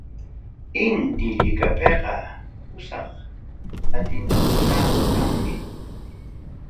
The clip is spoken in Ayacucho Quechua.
Inti llikapiqa pusaq planitakuna kanmi.